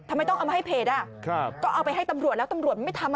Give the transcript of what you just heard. ทำไมต้องเอามาให้เพจอ่ะก็เอาไปให้ตำรวจแล้วตำรวจไม่ทำ